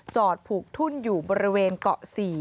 ผูกทุ่นอยู่บริเวณเกาะ๔